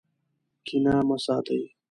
کینه مه ساتئ.